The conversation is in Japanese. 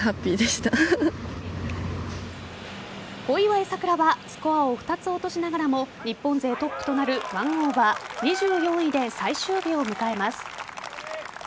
小祝さくらはスコアを２つ落としながらも日本勢トップとなる１オーバー、２４位で最終日を迎えます。